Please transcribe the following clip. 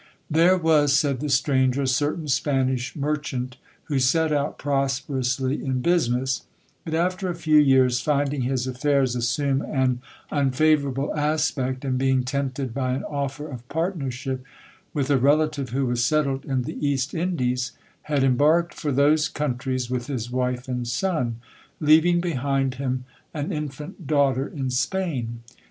'There was,' said the stranger, 'a certain Spanish merchant, who set out prosperously in business; but, after a few years, finding his affairs assume an unfavourable aspect, and being tempted by an offer of partnership with a relative who was settled in the East Indies, had embarked for those countries with his wife and son, leaving behind him an infant daughter in Spain.'